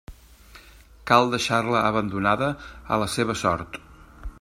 Cal deixar-la abandonada a la seua sort.